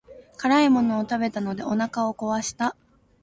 辛いものを食べたのでお腹を壊した。